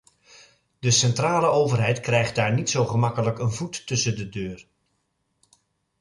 De centrale overheid krijgt daar niet zo gemakkelijk een voet tussen de deur.